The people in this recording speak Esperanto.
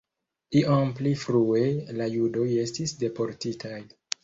Iom pli frue la judoj estis deportitaj.